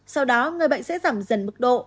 sau đó người bệnh sẽ giảm dần mức độ